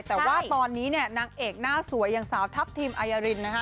แต่ว่าตอนนี้เนี่ยหนังเอกน่าสวยหญงสาวทัพทิมอัญญาลินนะคะ